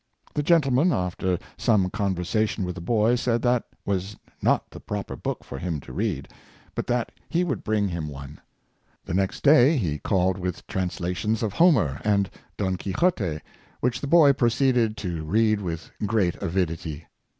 The gentleman^ after some conversation with the boy, said that was not the proper book for him to read, but that he would bring him one. The next day he called with translations of Homer and '' Don Quixote," which the boy proceeded to read with great avidity.